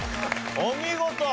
お見事！